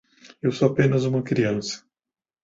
Eu sou apenas uma criança.